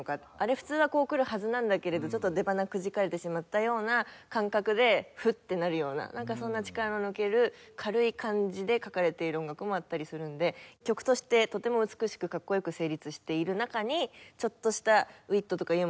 普通はこうくるはずなんだけれどちょっと出ばなくじかれてしまったような感覚でふっってなるようなそんな力の抜ける軽い感じで書かれている音楽もあったりするので曲としてとても美しくかっこよく成立している中に。